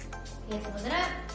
bukan yang sebenarnya terjadi